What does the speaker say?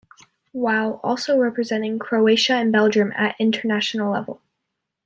While also representing Croatia and Belgium at international level.